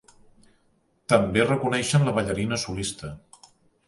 També reconeixen la ballarina solista.